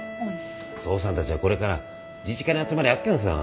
父さんたちはこれから自治会の集まりあっけんさ。